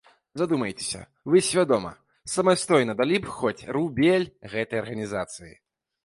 Задумайцеся, вы свядома, самастойна далі б хоць рубель гэтай арганізацыі?